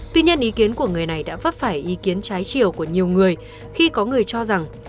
tuy nhiên ý kiến của người này đã vấp phải ý kiến trái chiều của nhiều người khi có người cho rằng